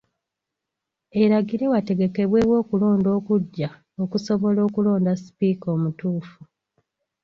Eragire wategekebwewo okulonda okuggya okusobola okulonda sipiika omutuufu.